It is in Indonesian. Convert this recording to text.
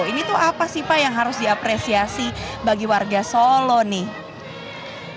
ini tuh apa sih pak yang harus diapresiasi bagi warga solo nih